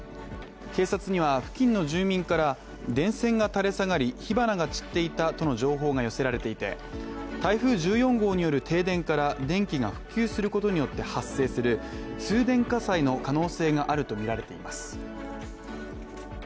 警察には付近の住民から電線が垂れ下がり火花が散っていたとの情報が寄せられていて台風１４号による停電から電気が復旧することによって発生する通電火災の可能性があるとみられています。